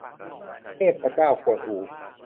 เทพเจ้ากวนอู